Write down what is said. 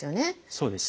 そうです。